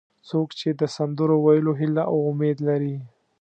څوک چې د سندرو ویلو هیله او امید لري.